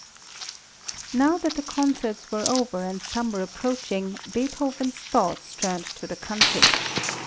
Now that the concerts were over and summer approaching, Beethoven's thoughts turned to the country.